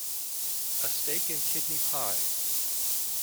A steak-and-kidney pie.